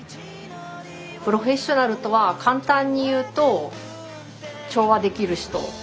プロフェッショナルとは簡単に言うと調和できる人。